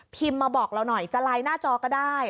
มาบอกเราหน่อยจะไลน์หน้าจอก็ได้